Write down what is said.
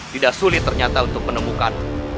tidak sulit ternyata untuk menemukan